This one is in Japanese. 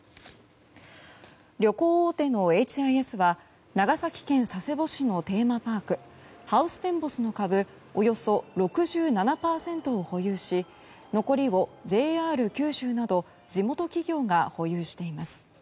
旅行大手のＨＩＳは長崎県佐世保市のテーマパークハウステンボスの株およそ６７％を保有し残りをＪＲ九州など地元企業が保有しています。